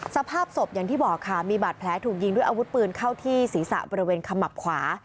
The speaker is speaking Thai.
สภาพศพอย่างที่บอกค่ะมีบาดแผลถูกยิงด้วยอาวุธปืนเข้าที่ศีรษะบริเวณขมับขวา